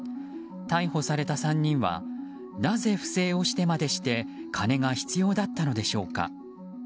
逮捕された３人はなぜ不正をしてまでして金が必要だったのでしょうか。